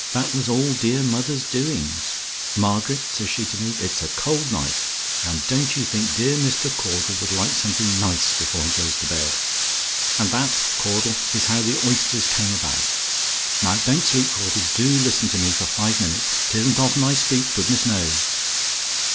That was all dear mother's doings! 'Margaret,' says she to me, 'it's a cold night; and don't you think dear Mr. Caudle would like something nice before he goes to bed?' And that, Caudle, is how the oysters came about. Now, don't sleep, Caudle: do listen to me for five minutes; 'tisn't often I speak, goodness knows.